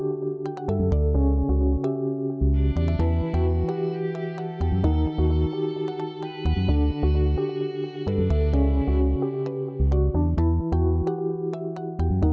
h quintalul' destur terus dirun nuestra umum pemilihan dalam peristiwa yang sama